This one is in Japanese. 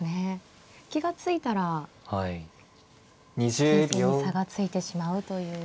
気が付いたら形勢に差がついてしまうという。